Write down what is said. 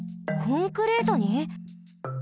コンクリートに？